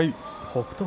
北勝